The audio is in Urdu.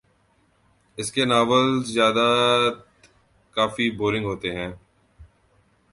اس کے ناولزیادہ ت کافی بورنگ ہوتے ہے